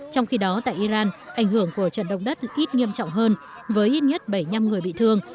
trong khi đó tại iran ảnh hưởng của trận động đất ít nghiêm trọng hơn với ít nhất bảy mươi năm người bị thương